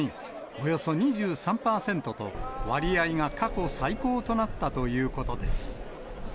およそ２３％と、割合が過去最高となったということです。